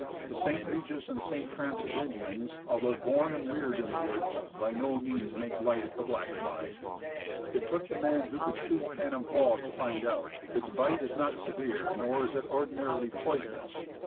The St. Regis and St. Francis Indians, insect Pests, 2 1 although born and reared in the woods, by no means make light of the black fly. It took the man who could shoot Phantom Falls to find out, "Its bite is not severe, nor is it ordinarily poisonous.